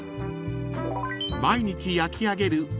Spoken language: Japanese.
［毎日焼きあげる